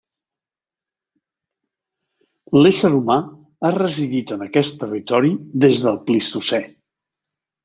L'ésser humà ha residit en aquest territori des del Plistocè.